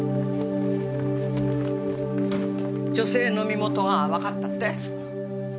女性の身元がわかったって？